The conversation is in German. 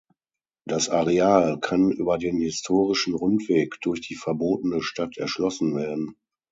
Das Areal kann über den Historischen Rundweg durch die Verbotene Stadt erschlossen werden.